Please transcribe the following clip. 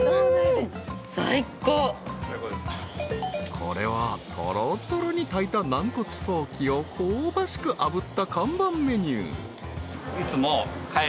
［これはとろとろに炊いた軟骨ソーキを香ばしくあぶった看板メニュー］